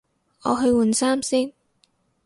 我去換衫先